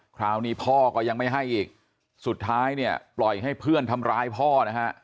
คราวนี้พ่อก็ยังไม่ให้อีกสุดท้ายเนี่ยปล่อยให้เพื่อนทำร้ายพ่อนะฮะ